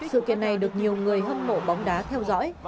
sự kiện này được nhiều người hâm mộ bóng đá theo dõi